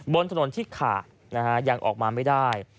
บนถนนที่ขาดยังออกมาไม่ได้